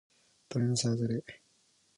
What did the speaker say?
鳥のさえずり